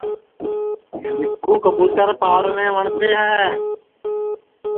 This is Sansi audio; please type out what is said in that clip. مِسکُو کئبوتر پاݪنے وٹؔتے ہے